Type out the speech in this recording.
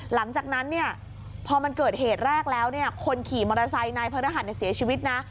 หลังจากนั้นเนี่ยพอมันเกิดเหตุแรกแล้วเนี่ยคนขี่มอเตอร์ไซค์นายพระรหัสเสียชีวิตนะ